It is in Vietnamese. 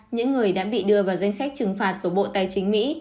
những người đã bị đưa vào danh sách trừng phạt của bộ tài chính mỹ